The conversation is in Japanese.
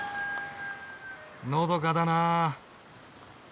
のどかだな。